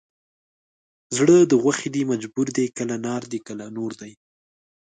زړه د غوښې دی مجبور دی کله نار دی کله نور دی